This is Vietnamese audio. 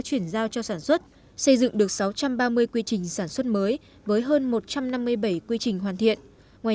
chuyển giao cho sản xuất xây dựng được sáu trăm ba mươi quy trình sản xuất mới với hơn một trăm năm mươi bảy quy trình hoàn thiện ngoài